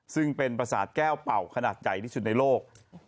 ซึ่งเป็นประสาทแก้วเป่าขนาดใหญ่ที่สุดในโลก